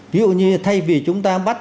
ví dụ như thay vì chúng ta bắt